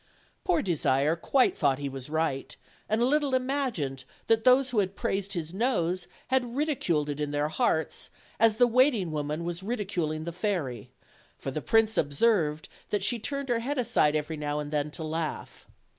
Poor Desire quite thought he was right, and little imagined that those who had praised his nose had ridiculed it in their hearts, as the waiting woman was ridiculing the fairy; for the prince observed that she turned her head aside every now and then to laugh.